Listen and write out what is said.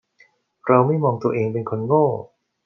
เราไม่มองตัวเองเป็นคนโง่